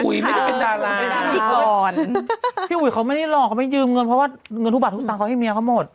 ไม่ได้เป็นดาราก่อนพี่อุ๋ยเขาไม่ได้หลอกเขาไม่ยืมเงินเพราะว่าเงินทุกบาททุกตังค์ให้เมียเขาหมด